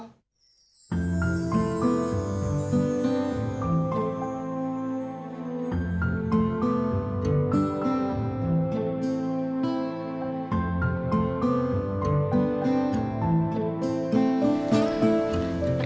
itu udah setelah piring